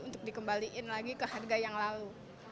untuk dikembalikan lagi ke harga yang lalu